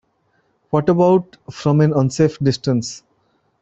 What about from an unsafe distance?